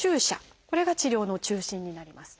これが治療の中心になります。